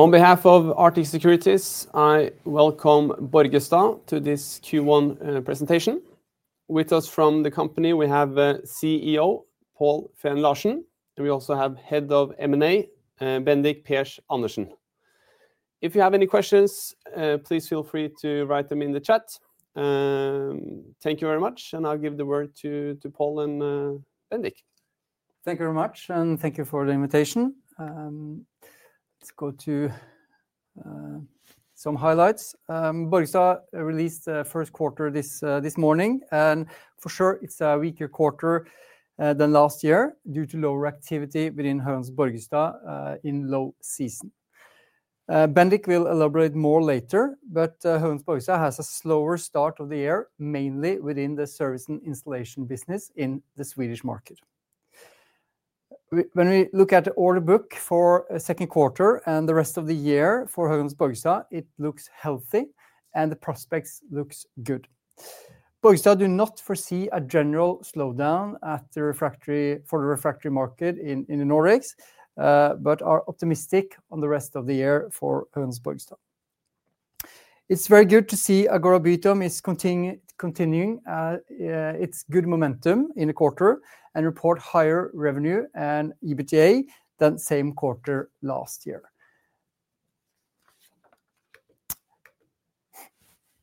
On behalf of Arctic Securities, I welcome Borgestad to this Q1 presentation. With us from the company, we have CEO Pål Feen Larsen, and we also have Head of M&A, Bendik Persch Andersen. If you have any questions, please feel free to write them in the chat. Thank you very much, and I'll give the word to Pål and Bendik. Thank you very much, and thank you for the invitation. Let's go to some highlights. Borgestad released the first quarter this morning, and for sure, it's a weaker quarter than last year due to lower activity within Höganäs Borgestad in low season. Bendik will elaborate more later, but Höganäs Borgestad has a slower start of the year, mainly within the services and installation business in the Swedish market. When we look at the order book for the second quarter and the rest of the year for Höganäs Borgestad, it looks healthy, and the prospects look good. Borgestad do not foresee a general slowdown for the refractory market in the Nordics, but are optimistic on the rest of the year for Höganäs Borgestad. It's very good to see Agora Bytom is continuing its good momentum in the quarter and report higher revenue and EBITDA than same quarter last year.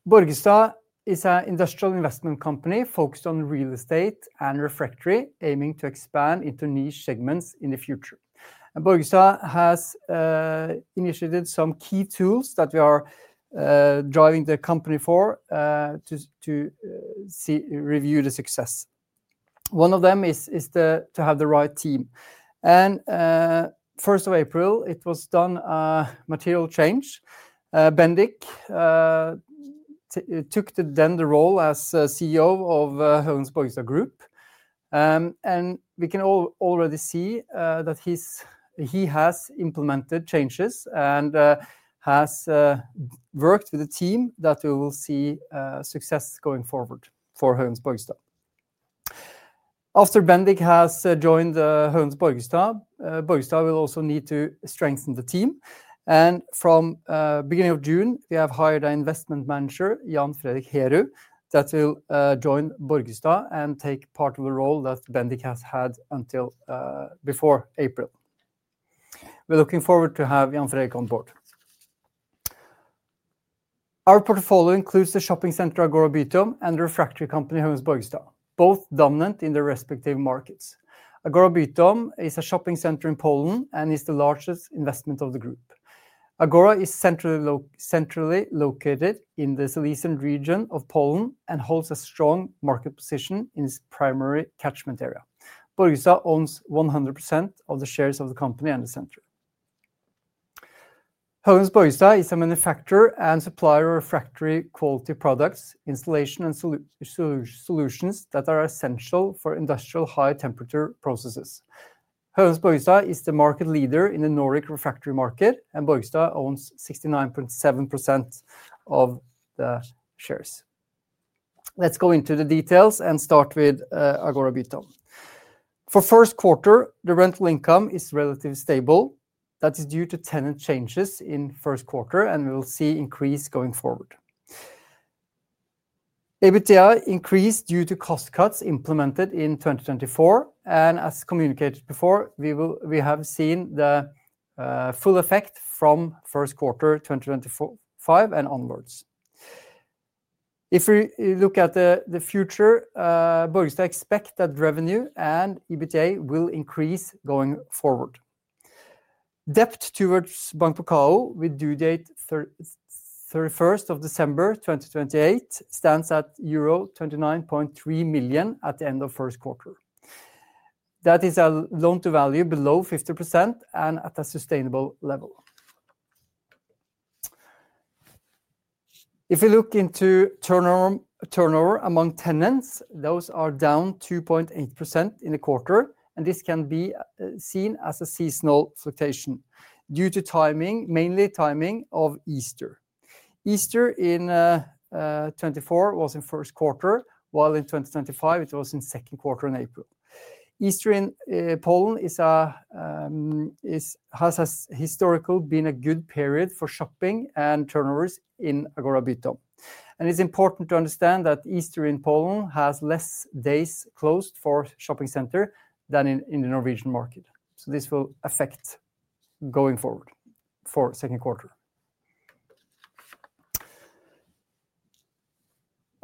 Borgestad is an industrial investment company focused on real estate and refractory, aiming to expand into niche segments in the future. Borgestad has initiated some key tools that we are driving the company for to review the success. One of them is to have the right team. On 1st of April, it was done a material change. Bendik took then the role as CEO of Höganäs Borgestad Group, and we can already see that he has implemented changes and has worked with the team that we will see success going forward for Höganäs Borgestad. After Bendik has joined Höganäs Borgestad, Borgestad will also need to strengthen the team. From the beginning of June, we have hired an Investment Manager, Jan Fredrik Herud, that will join Borgestad and take part of the role that Bendik has had until before April. We're looking forward to having Jan Fredrik on board. Our portfolio includes the shopping center Agora Bytom and the refractory company Höganäs Borgestad, both dominant in their respective markets. Agora Bytom is a shopping center in Poland and is the largest investment of the group. Agora is centrally located in the Silesian region of Poland and holds a strong market position in its primary catchment area. Borgestad owns 100% of the shares of the company and the center. Höganäs Borgestad is a manufacturer and supplier of refractory quality products, installation, and solutions that are essential for industrial high temperature processes. Höganäs Borgestad is the market leader in the Nordic refractory market, and Borgestad owns 69.7% of the shares. Let's go into the details and start with Agora Bytom. For the first quarter, the rental income is relatively stable. That is due to tenant changes in the first quarter, and we will see an increase going forward. EBITDA increased due to cost cuts implemented in 2024, and as communicated before, we have seen the full effect from the first quarter of 2025 and onwards. If we look at the future, Borgestad expects that revenue and EBITDA will increase going forward. Debt towards Bank of Kaunas with due date 31st of December 2028 stands at euro 29.3 million at the end of the first quarter. That is a loan-to-value below 50% and at a sustainable level. If we look into turnover among tenants, those are down 2.8% in the quarter, and this can be seen as a seasonal fluctuation due to timing, mainly timing of Easter. Easter in 2024 was in the first quarter, while in 2025 it was in the second quarter in April. Easter in Poland has historically been a good period for shopping and turnovers in Agora Bytom. It is important to understand that Easter in Poland has fewer days closed for shopping centers than in the Norwegian market. This will affect going forward for the second quarter.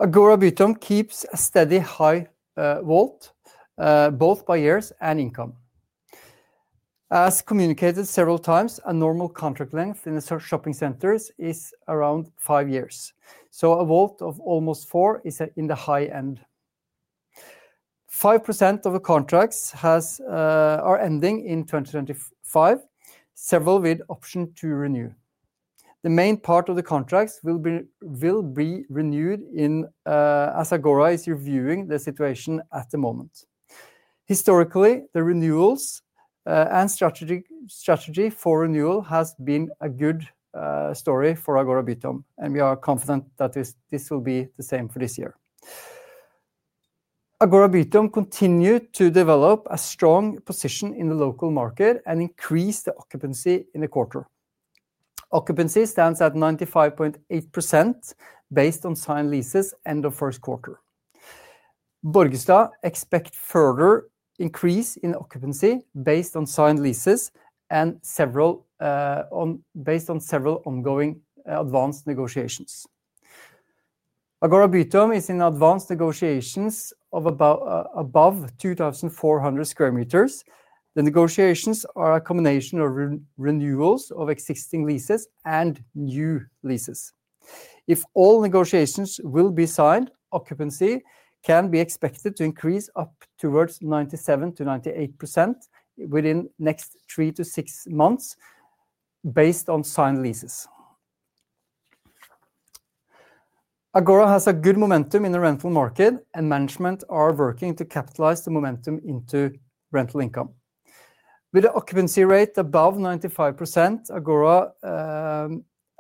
Agora Bytom keeps a steady high vault, both by years and income. As communicated several times, a normal contract length in the shopping centers is around five years. A vault of almost four is in the high end. 5% of the contracts are ending in 2025, several with the option to renew. The main part of the contracts will be renewed as Agora is reviewing the situation at the moment. Historically, the renewals and strategy for renewal have been a good story for Agora Bytom, and we are confident that this will be the same for this year. Agora Bytom continued to develop a strong position in the local market and increased the occupancy in the quarter. Occupancy stands at 95.8% based on signed leases end of the first quarter. Borgestad expects further increase in occupancy based on signed leases and based on several ongoing advanced negotiations. Agora Bytom is in advanced negotiations of above 2,400 square meters. The negotiations are a combination of renewals of existing leases and new leases. If all negotiations will be signed, occupancy can be expected to increase up towards 97%-98% within the next three to six months based on signed leases. Agora has a good momentum in the rental market, and management are working to capitalize the momentum into rental income. With the occupancy rate above 95%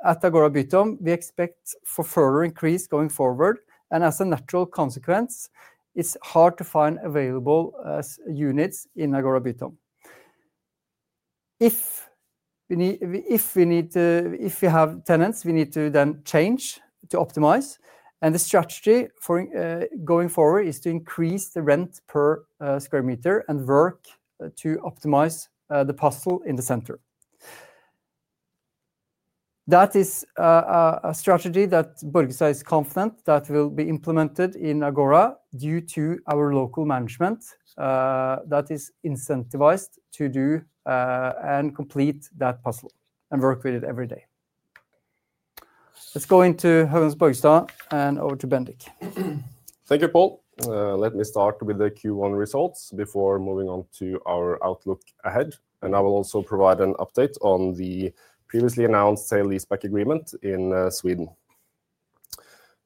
at Agora Bytom, we expect for further increase going forward, and as a natural consequence, it's hard to find available units in Agora Bytom. If we have tenants, we need to then change to optimize, and the strategy for going forward is to increase the rent per square meter and work to optimize the parcel in the center. That is a strategy that Borgestad is confident that will be implemented in Agora due to our local management that is incentivized to do and complete that parcel and work with it every day. Let's go into Höganäs Borgestad and over to Bendik. Thank you, Pål. Let me start with the Q1 results before moving on to our outlook ahead, and I will also provide an update on the previously announced sale-leaseback agreement in Sweden.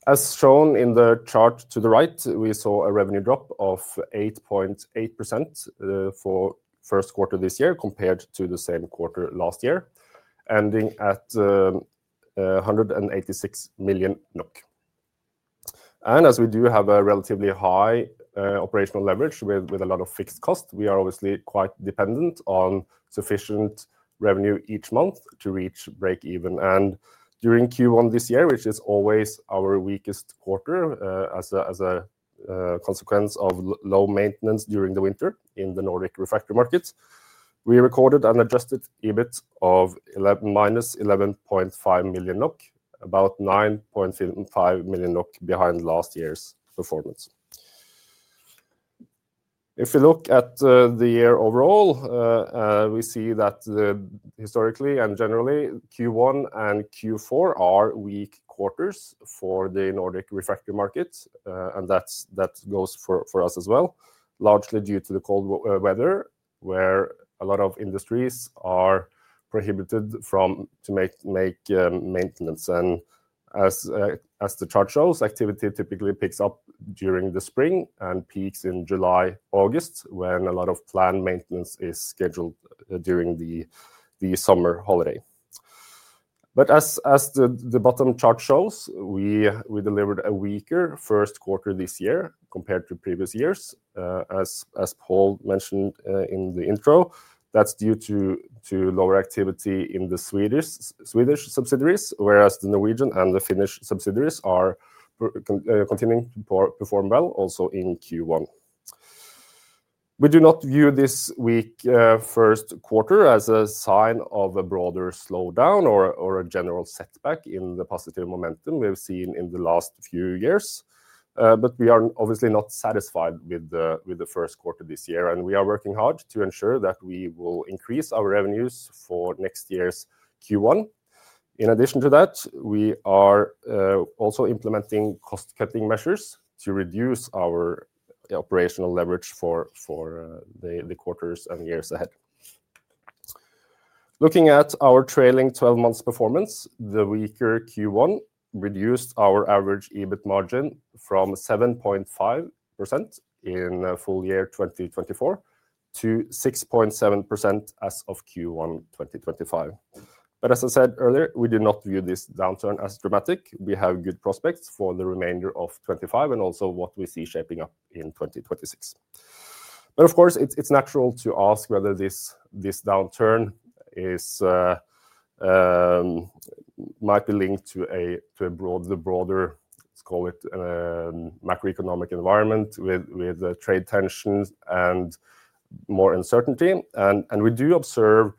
As shown in the chart to the right, we saw a revenue drop of 8.8% for the first quarter this year compared to the same quarter last year, ending at 186 million NOK. As we do have a relatively high operational leverage with a lot of fixed costs, we are obviously quite dependent on sufficient revenue each month to reach break-even. During Q1 this year, which is always our weakest quarter as a consequence of low maintenance during the winter in the Nordic refractory markets, we recorded an adjusted EBIT of -11.5 million NOK, about 9.5 million NOK behind last year's performance. If we look at the year overall, we see that historically and generally, Q1 and Q4 are weak quarters for the Nordic refractory market, and that goes for us as well, largely due to the cold weather where a lot of industries are prohibited from making maintenance. As the chart shows, activity typically picks up during the spring and peaks in July-August when a lot of planned maintenance is scheduled during the summer holiday. As the bottom chart shows, we delivered a weaker first quarter this year compared to previous years. As Pål mentioned in the intro, that's due to lower activity in the Swedish subsidiaries, whereas the Norwegian and the Finnish subsidiaries are continuing to perform well also in Q1. We do not view this weak first quarter as a sign of a broader slowdown or a general setback in the positive momentum we've seen in the last few years, but we are obviously not satisfied with the first quarter this year, and we are working hard to ensure that we will increase our revenues for next year's Q1. In addition to that, we are also implementing cost-cutting measures to reduce our operational leverage for the quarters and years ahead. Looking at our trailing 12-month performance, the weaker Q1 reduced our average EBIT margin from 7.5% in full year 2024 to 6.7% as of Q1 2025. But as I said earlier, we do not view this downturn as dramatic. We have good prospects for the remainder of 2025 and also what we see shaping up in 2026. Of course, it's natural to ask whether this downturn might be linked to the broader, let's call it, macroeconomic environment with trade tensions and more uncertainty. We do observe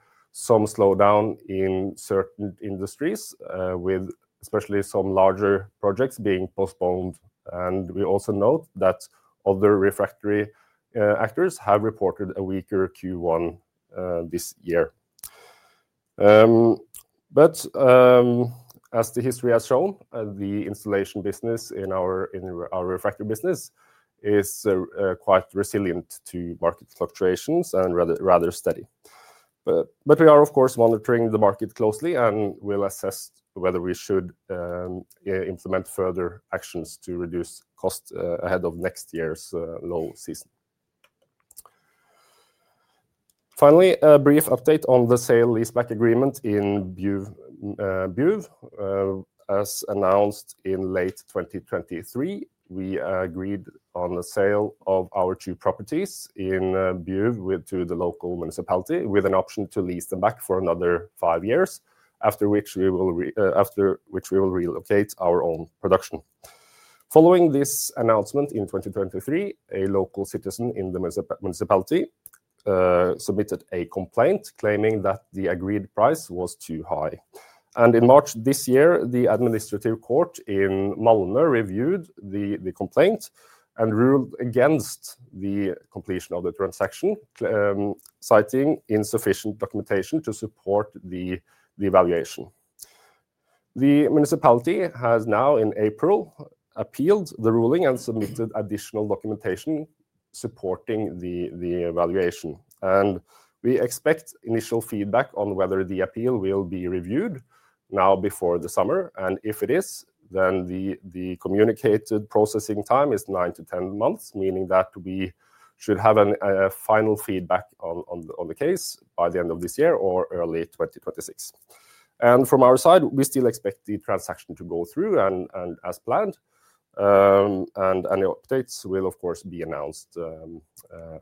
some slowdown in certain industries, especially some larger projects being postponed. We also note that other refractory actors have reported a weaker Q1 this year. As history has shown, the installation business in our refractory business is quite resilient to market fluctuations and rather steady. We are, of course, monitoring the market closely and will assess whether we should implement further actions to reduce costs ahead of next year's low season. Finally, a brief update on the sale-leaseback agreement in Bjuv. As announced in late 2023, we agreed on the sale of our two properties in Bjuv to the local municipality with an option to lease them back for another five years, after which we will relocate our own production. Following this announcement in 2023, a local citizen in the municipality submitted a complaint claiming that the agreed price was too high. In March this year, the administrative court in Malmö reviewed the complaint and ruled against the completion of the transaction, citing insufficient documentation to support the valuation. The municipality has now, in April, appealed the ruling and submitted additional documentation supporting the valuation. We expect initial feedback on whether the appeal will be reviewed now before the summer. If it is, then the communicated processing time is nine to ten months, meaning that we should have a final feedback on the case by the end of this year or early 2026. From our side, we still expect the transaction to go through as planned, and any updates will, of course, be announced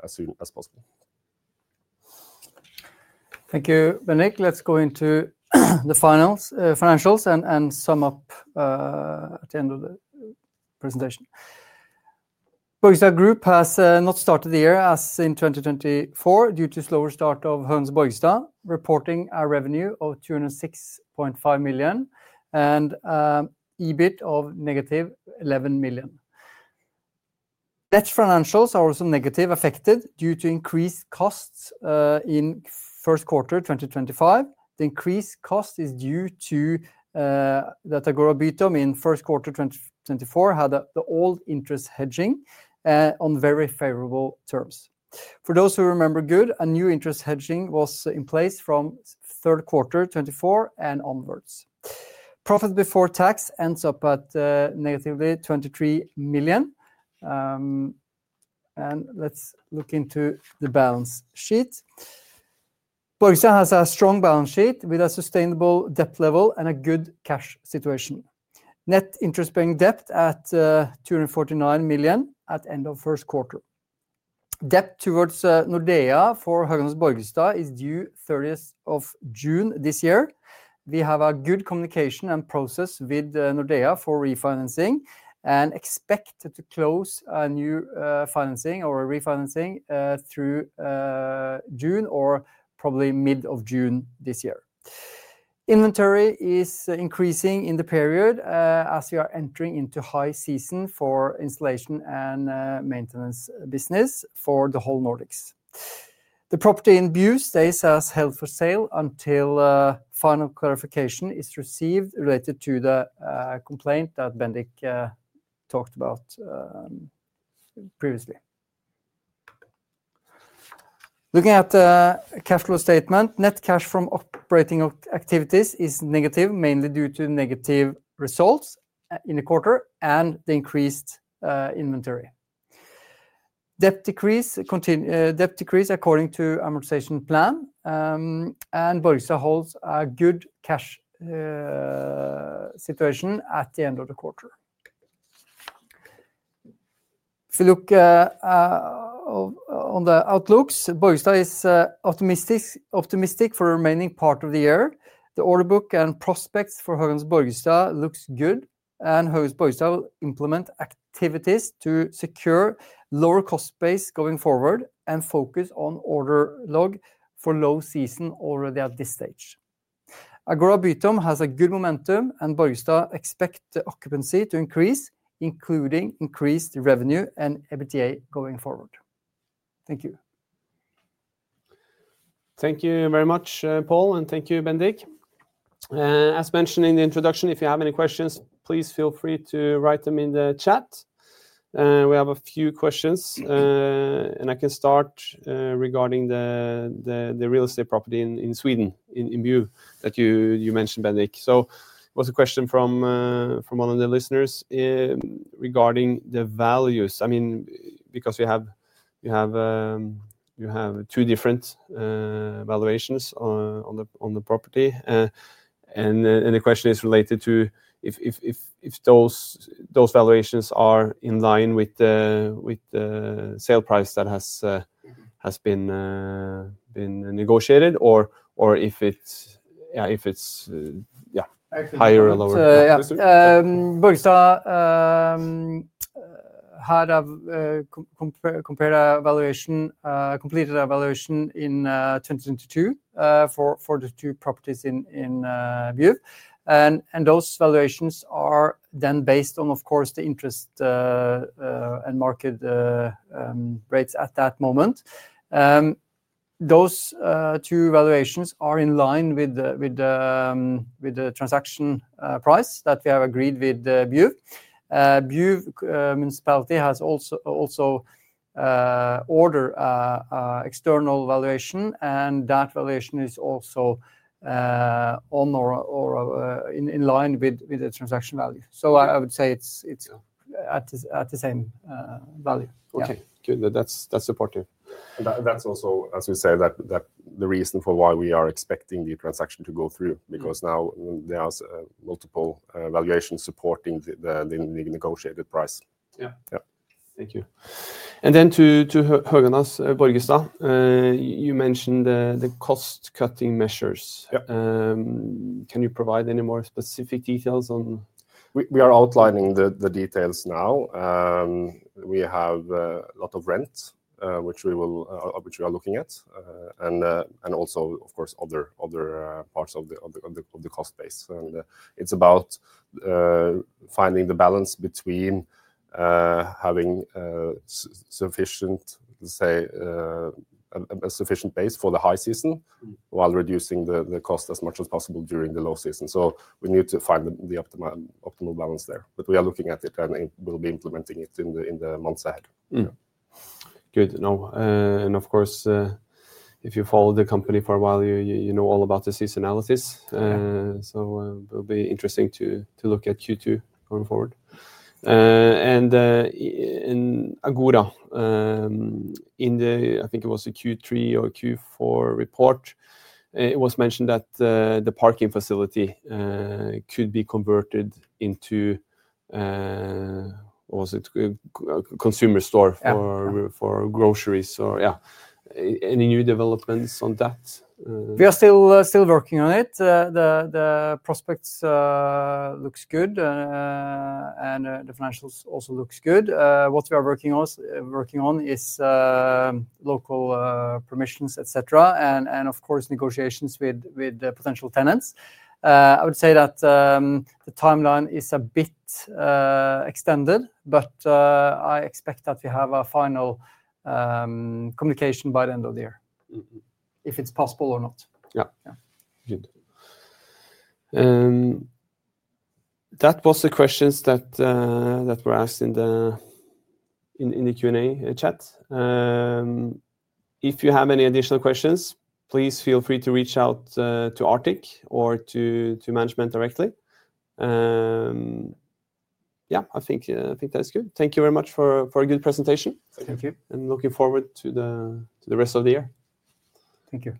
as soon as possible. Thank you, Bendik. Let's go into the finals financials and sum up at the end of the presentation. Borgestad Group has not started the year as in 2024 due to the slower start of Höganäs Borgestad, reporting a revenue of 206.5 million and an EBIT of -11 million. Net financials are also negatively affected due to increased costs in the first quarter of 2025. The increased cost is due to that Agora Bytom in the first quarter of 2024 had the old interest hedging on very favorable terms. For those who remember good, a new interest hedging was in place from the third quarter of 2024 and onwards. Profit before tax ends up at negatively 23 million. Let's look into the balance sheet. Borgestad has a strong balance sheet with a sustainable debt level and a good cash situation. Net interest-bearing debt at 249 million at the end of the first quarter. Debt towards Nordea for Höganäs Borgestad is due on the 30th of June this year. We have a good communication and process with Nordea for refinancing and expect to close a new financing or refinancing through June or probably mid-June this year. Inventory is increasing in the period as we are entering into high season for installation and maintenance business for the whole Nordics. The property in Bjuv stays as held for sale until final clarification is received related to the complaint that Bendik talked about previously. Looking at the cash flow statement, net cash from operating activities is negative, mainly due to negative results in the quarter and the increased inventory. Debt decrease according to amortization plan, and Borgestad holds a good cash situation at the end of the quarter. If we look on the outlooks, Borgestad is optimistic for the remaining part of the year. The order book and prospects for Höganäs Borgestad look good, and Höganäs Borgestad will implement activities to secure a lower cost base going forward and focus on order log for low season already at this stage. Agora Bytom has a good momentum, and Borgestad expects the occupancy to increase, including increased revenue and EBITDA going forward. Thank you. Thank you very much, Pål, and thank you, Bendik. As mentioned in the introduction, if you have any questions, please feel free to write them in the chat. We have a few questions, and I can start regarding the real estate property in Sweden in Bjuv that you mentioned, Bendik. So it was a question from one of the listeners regarding the values. I mean, because we have two different valuations on the property, and the question is related to if those valuations are in line with the sale price that has been negotiated or if it's higher or lower. Yeah. Borgestad had a completed valuation in 2022 for the two properties in Bjuv, and those valuations are then based on, of course, the interest and market rates at that moment. Those two valuations are in line with the transaction price that we have agreed with Bjuv. Bjuv municipality has also ordered an external valuation, and that valuation is also in line with the transaction value. I would say it's at the same value. Okay. That's supportive. That's also, as we say, the reason for why we are expecting the transaction to go through, because now there are multiple valuations supporting the negotiated price. Yeah. Thank you. And then to Höganäs Borgestad, you mentioned the cost-cutting measures. Can you provide any more specific details on? We are outlining the details now. We have a lot of rent, which we are looking at, and also, of course, other parts of the cost base. It is about finding the balance between having a sufficient base for the high season while reducing the cost as much as possible during the low season. We need to find the optimal balance there, but we are looking at it and will be implementing it in the months ahead. Good. Of course, if you follow the company for a while, you know all about the seasonalities, so it will be interesting to look at Q2 going forward. In Agora, in the, I think it was a Q3 or Q4 report, it was mentioned that the parking facility could be converted into a consumer store for groceries. Yeah, any new developments on that? We are still working on it. The prospects look good, and the financials also look good. What we are working on is local permissions, etc., and of course, negotiations with potential tenants. I would say that the timeline is a bit extended, but I expect that we have a final communication by the end of the year, if it's possible or not. Yeah. Good. That was the questions that were asked in the Q&A chat. If you have any additional questions, please feel free to reach out to Arctic or to management directly. Yeah, I think that's good. Thank you very much for a good presentation. Thank you. Looking forward to the rest of the year. Thank you.